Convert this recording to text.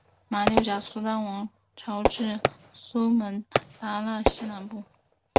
马六甲苏丹王朝至苏门答腊西南部。